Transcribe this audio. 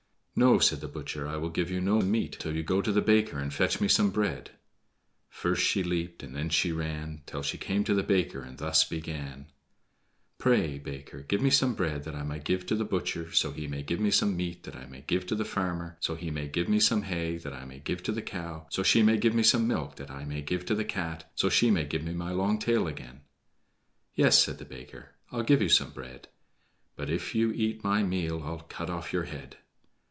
"No," said the butcher, "I'll give you no meat till you go to the baker and fetch me some bread." First she leaped, and then she ran, Till she came to the baker, and thus began: "Pray, baker, give me some bread that I may give to the butcher, so he may give me some meat that I may give to the farmer, so he may give me some hay that I may give to the cow, so she may give me some milk that I may give to the Cat, so she may give me my long tail again." "Yes," said the baker, "I'll give you some bread, But if you eat my meal, I'll cut off your head."